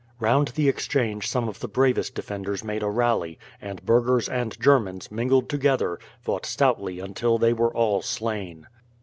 Round the exchange some of the bravest defenders made a rally, and burghers and Germans, mingled together, fought stoutly until they were all slain.